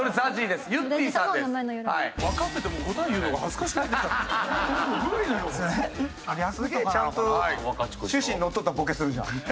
すげえちゃんと趣旨にのっとったボケするじゃん。